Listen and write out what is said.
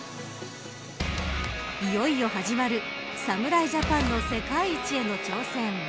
いよいよ始まる侍ジャパンの世界一への挑戦。